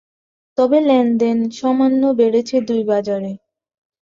তবে লেনদেন সামান্য বেড়েছে দুই বাজারে।